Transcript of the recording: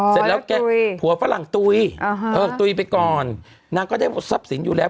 เสร็จแล้วแกผัวฝรั่งตุ๋ยตุ๋ยไปก่อนนางก็ได้หมดทรัพย์สินอยู่แล้ว